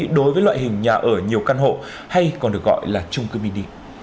đối với loại hình nhà ở nhiều căn hộ hay còn được gọi là trung cư mini